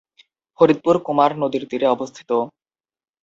ফরিদপুর কুমার নদীর তীরে অবস্থিত।